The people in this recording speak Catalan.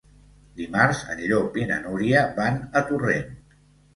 Dimarts en Llop i na Núria van a Torrent.